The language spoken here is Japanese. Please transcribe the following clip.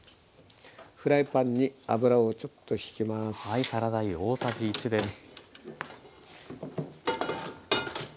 フライパンに油をちょっとひきます。